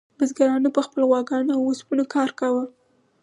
بزګرانو په خپلو غواګانو او اوسپنو کار کاوه.